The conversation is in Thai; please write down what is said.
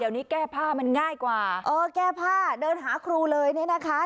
เดี๋ยวนี้แก้ผ้ามันง่ายกว่าเออแก้ผ้าเดินหาครูเลยเนี่ยนะคะ